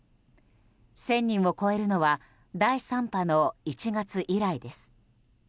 １０００人を超えるのは第３波の１月以来です。